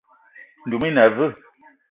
Ndoum i na aveu?